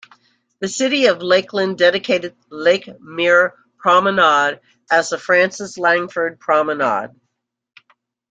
The City of Lakeland dedicated the Lake Mirror Promenade as the Frances Langford Promenade.